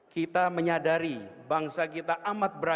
kita menyadari bangsa kita amat beragama